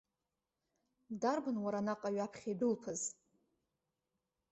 Дарбан, уара, анаҟа ҩаԥхьа идәылԥаз?